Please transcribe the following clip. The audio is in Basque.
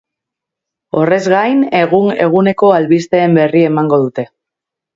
Horrez gain, egun-eguneko albisteen berri emango dute.